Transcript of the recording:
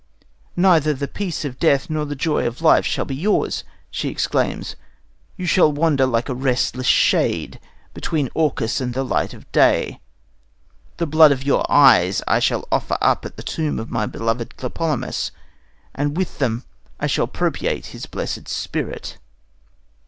"Neither the peace of death nor the joy of life shall be yours," she exclaims. "You shall wander like a restless shade between Orcus and the light of day.... The blood of your eyes I shall offer up at the tomb of my beloved Tlepolemus, and with them I shall propitiate his blessed spirit."